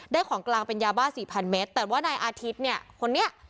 ได้ของกลางเป็นยาบ้า๔๐๐๐เมตรแต่ว่านายอาทิตย์เนี่ย